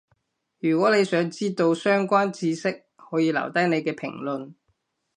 如果你想知到相關智識，可以留低你嘅評論